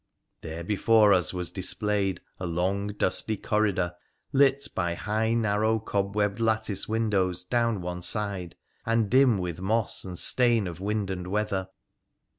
There before us was displayed a long dusty corridor, lit by high narrow cob webbed lattice windows down one side, and dim with moss and stain of wind and weather.